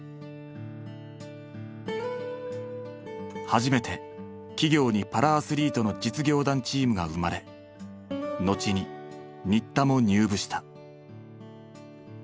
初めて企業にパラアスリートの実業団チームが生まれ後に新田も入部した。